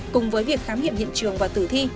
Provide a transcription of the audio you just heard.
cùng với việc khám nghiệm hiện trường và tử thi